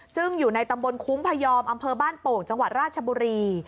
ซึ่งอยู่ในตำบลคุ้งพยอมอำเภอบ้านโป่งจังหวัดราชบุรี